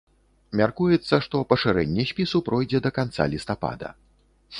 Мяркуецца, што пашырэнне спісу пройдзе да канца лістапада.